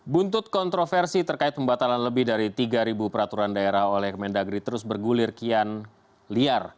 buntut kontroversi terkait pembatalan lebih dari tiga peraturan daerah oleh kemendagri terus bergulir kian liar